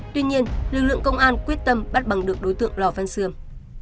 tuy nhiên lực lượng công an quyết tâm bắt bằng được đối tượng lò văn sươm